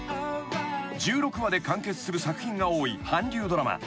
［１６話で完結する作品が多い韓流ドラマ］